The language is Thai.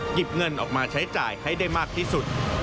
หยิบเงินออกมาใช้จ่ายให้ได้มากที่สุด